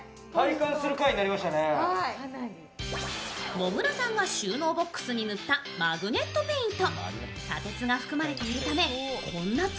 野村さんが収納ボックスに塗ったマグネットペイント。